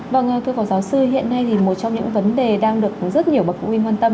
vâng thưa phó giáo sư hiện nay một trong những vấn đề đang được rất nhiều bậc quýnh quan tâm